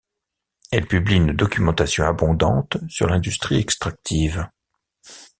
Elle publie une documentation abondante sur l'industrie extractive.